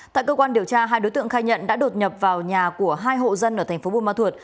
tại cơ quan điều tra hai đối tượng khai nhận đã đột nhập vào nhà của hai hộ dân ở tp bun ma thuột